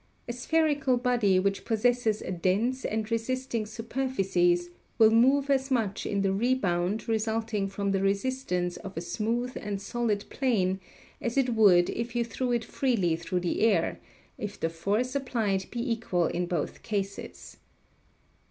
A spherical body which possesses a dense and resisting superficies will move as much in the rebound resulting from the resistance of a smooth and solid plane as it would if you threw it freely through the air, if the force applied be equal in both cases.